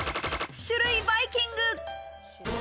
種類バイキング。